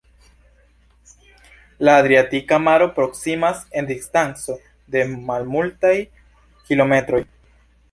La Adriatika Maro proksimas en distanco de malmultaj kilometroj.